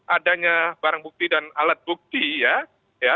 adanya barang bukti dan alat bukti ya